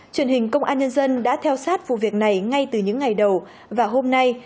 truyền hình công an nhân dân đã theo sát vụ việc này ngay từ những ngày đầu và hôm nay